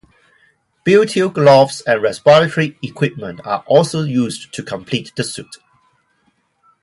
Butyl gloves and respiratory equipment are also used to complete the suit.